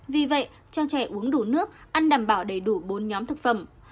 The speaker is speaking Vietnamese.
vì vậy cho trẻ uống đủ nước ăn đảm bảo đầy đủ bốn nhóm thực phẩm